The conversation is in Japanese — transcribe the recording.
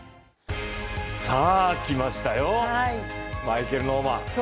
さあ、きましたよマイケル・ノーマン。